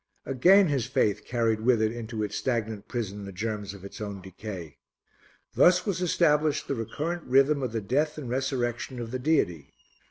Again his faith carried with it into its stagnant prison the germs of its own decay. Thus was established the recurrent rhythm of the death and resurrection of the deity.